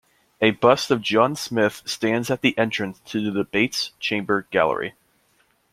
A bust of John Smith stands at the entrance to the Debates Chamber gallery.